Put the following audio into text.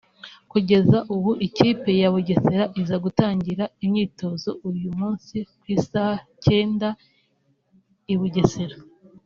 Kugeza ubu ikipe ya Bugesera iza gutangira imyitozo uyu munsi ku i saa cyenda i Bugesera